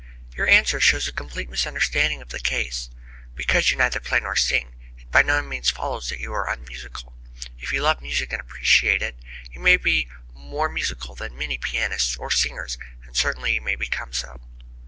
Your answer shows a complete misunderstanding of the case. Because you neither play nor sing, it by no means follows that you are unmusical. If you love music and appreciate it, you may be more musical than many pianists or singers; and certainly you may become so.